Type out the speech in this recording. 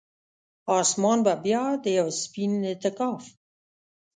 اسمان به بیا د یوه سپین اعتکاف،